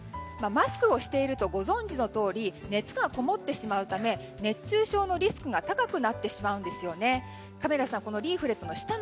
マスクをしているとご存じのとおり熱がこもってしまうため熱中症のリスクが高くなってしまうんですよね。